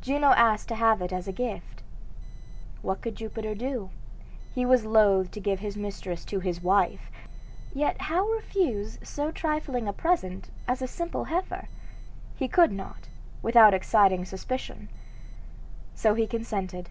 Juno asked to have it as a gift. What could Jupiter do? He was loath to give his mistress to his wife; yet how refuse so trifling a present as a simple heifer? He could not, without exciting suspicion; so he consented.